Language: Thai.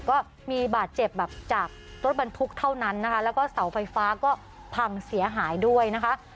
ก็มีบาดเจ็บแบบจากรถบรรทุกเท่านั้นนะคะแล้วก็เสาไฟฟ้าก็พังเสียหายด้วยนะคะ